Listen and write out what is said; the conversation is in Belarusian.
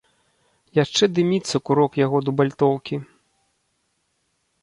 Яшчэ дыміцца курок яго дубальтоўкі.